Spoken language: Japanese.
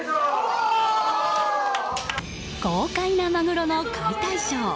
豪快なマグロの解体ショー。